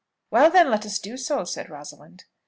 "Well, then, let us do so," said Rosalind.